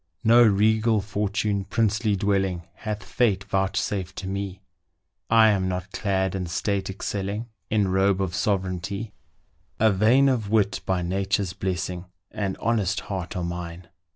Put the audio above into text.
No regal fortune, princely dwelling, Hath fate vouchsafed to me, I am not clad, in state excelling, In robe of sovereignty: A vein of wit, by nature's blessing, And honest heart are mine.